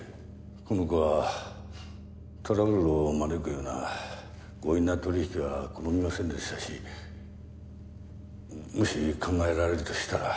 この子はトラブルを招くような強引な取引は好みませんでしたしもし考えられるとしたら。